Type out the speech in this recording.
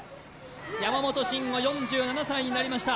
山本進悟は４７歳になりました